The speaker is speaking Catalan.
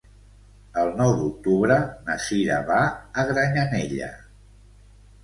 El nou d'octubre na Sira va a Granyanella.